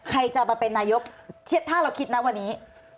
ใครจะมาเป็นนายกถ้าเราคิดนะวันนี้